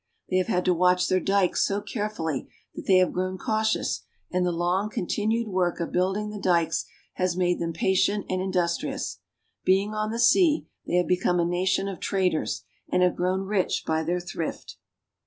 They have had to watch their dikes so carefully that they have grown cautious, and the long con tinued work of building the dikes has made them patient and industrious. Being on the sea, they have become a nation of traders, and have grown rich by their thrift.